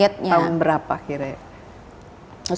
tahun berapa kira kira